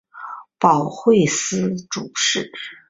保惠司主事。